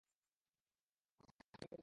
আসলে, কী জানেন!